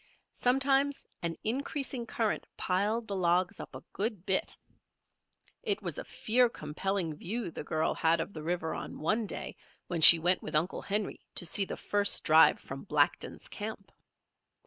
Sometimes an increasing current piled the logs up a good bit. It was a fear compelling view the girl had of the river on one day when she went with Uncle Henry to see the first drive from Blackton's camp.